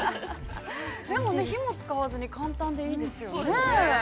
◆でもね、火も使わずに簡単でいいですよね。